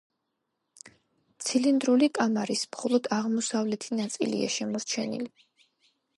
ცილინდრული კამარის მხოლოდ აღმოსავლეთი ნაწილია შემორჩენილი.